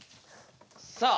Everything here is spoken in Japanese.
さあ。